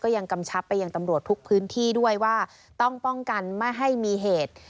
ยังกำชับไปยังตำรวจทุกพื้นที่ด้วยว่าต้องป้องกันไม่ให้มีเหตุ